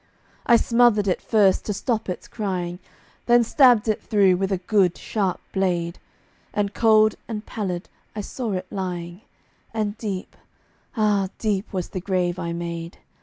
I smothered it first to stop its crying, Then stabbed it through with a good sharp blade, And cold and pallid I saw it lying, And deep ah' deep was the grave I made.